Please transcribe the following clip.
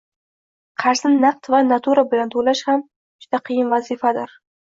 qarzni naqd va natura bilan to'lash, ham juda qiyin vazifalar